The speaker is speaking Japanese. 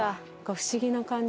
不思議な感じ。